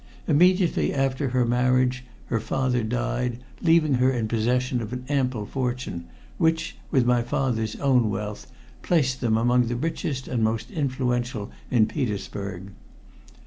Immediately after her marriage her father died, leaving her in possession of an ample fortune, which, with my father's own wealth, placed them among the richest and most influential in Petersburg.